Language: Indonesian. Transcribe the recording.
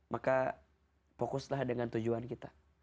maka fokuslah dengan tujuan kita